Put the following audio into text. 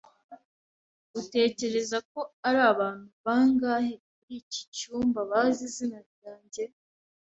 Utekereza ko ari abantu bangahe muri iki cyumba bazi izina ryanjye?